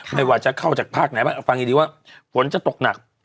ไม่ว่าจะเข้าจากภาคไหนบ้างฟังดีว่าฝนจะตกหนัก